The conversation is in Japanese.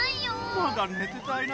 まだ寝てたいな。